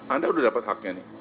anda sudah dapat haknya nih